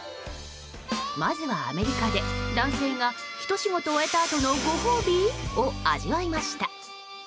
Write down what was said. まずは、アメリカで男性がひと仕事終えたあとのごほうび？を味わいました。